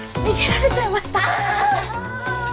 逃げられちゃいましたあ